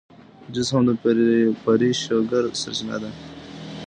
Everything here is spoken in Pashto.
جوس هم د فري شوګر سرچینه ده.